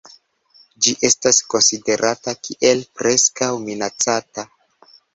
Ĝi estas konsiderata kiel Preskaŭ Minacata.